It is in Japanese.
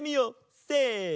せの。